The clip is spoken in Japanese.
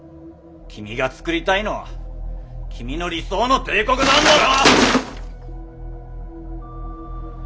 君が創りたいのは君の理想の帝国なんだろ！